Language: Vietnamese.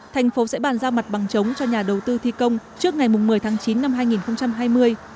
thành phố sẽ bàn giao mặt bằng chống cho nhà đầu tư thi công trước ngày một mươi tháng chín năm hai nghìn hai mươi